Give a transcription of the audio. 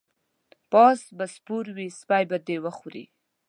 په اس به سپور یی سپی به دی وخوري